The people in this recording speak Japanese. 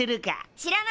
知らない！